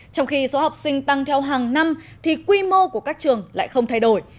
trong khi số học sinh tăng theo hàng năm thì quy mô của các trường lại không thay đổi